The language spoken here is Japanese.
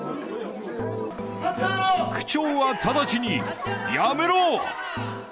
区長は直ちに辞めろ！